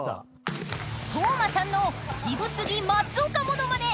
［斗真さんの渋過ぎ松岡モノマネ］